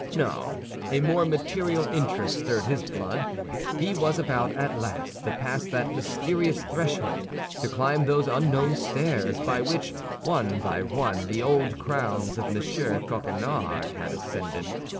No; a more material interest stirred his blood. He was about at last to pass that mysterious threshold, to climb those unknown stairs by which, one by one, the old crowns of M. Coquenard had ascended.